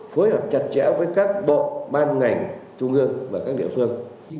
phối hợp chặt chẽ với các bộ ban ngành trung ương và các địa phương